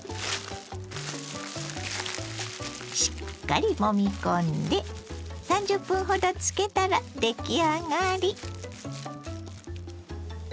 しっかりもみ込んで３０分ほど漬けたら出来上がり。